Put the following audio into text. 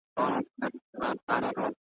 خواږه یاران وه پیالې د مُلو .